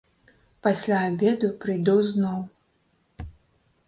Пасля абеду прыйду зноў.